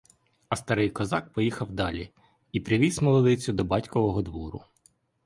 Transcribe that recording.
А старий козак поїхав далі і привіз молодицю до батькового двору.